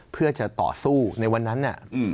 เพื่อจะต่อสู้ในวันนั้น